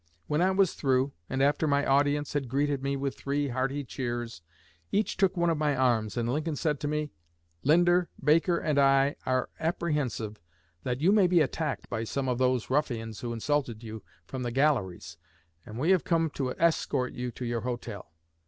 When I was through, and after my audience had greeted me with three hearty cheers, each took one of my arms, and Lincoln said to me: 'Linder, Baker and I are apprehensive that you may be attacked by some of those ruffians who insulted you from the galleries, and we have come up to escort you to your hotel.